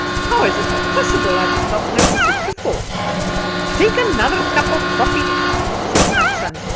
"How is it possible I did not notice it before?" "Take another cup of coffee," said Tant Sannie.